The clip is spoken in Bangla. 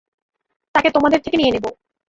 তাকে তোমাদের থেকে নিয়ে নিবো।